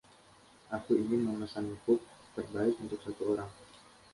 Aku ingin memesan pub terbaik untuk satu orang.